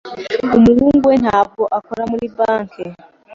Umuhungu we ntabwo akora muri banki.